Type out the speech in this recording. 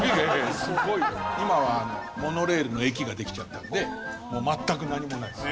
今はモノレールの駅ができちゃったんで全く何もないです。